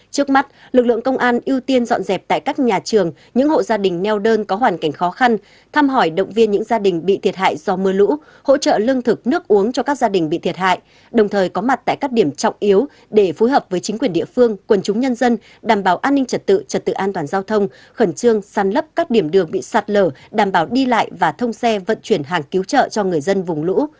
trước mắt lực lượng công an ưu tiên dọn dẹp tại các nhà trường những hộ gia đình neo đơn có hoàn cảnh khó khăn thăm hỏi động viên những gia đình bị thiệt hại do mưa lũ hỗ trợ lương thực nước uống cho các gia đình bị thiệt hại đồng thời có mặt tại các điểm trọng yếu để phối hợp với chính quyền địa phương quần chúng nhân dân đảm bảo an ninh trật tự trật tự an toàn giao thông khẩn trương sàn lấp các điểm đường bị sạt lở đảm bảo đi lại và thông xe vận chuyển hàng cứu trợ cho người dân vùng lũ